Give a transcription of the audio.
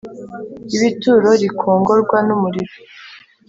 bibe ituro rikongorwa n umuriro